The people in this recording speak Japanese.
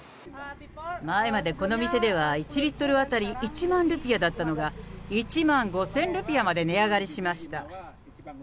前までこの店では、１リットル当たり１万ルピアだったのが、１万５０００ルピアまで値上がりしました。